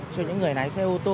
cho những người lái xe ô tô